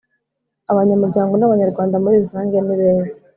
abanyamuryango n abanyarwanda muririrusanjye nibeza